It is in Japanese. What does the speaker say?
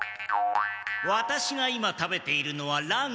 ワタシが今食べているのはランチ。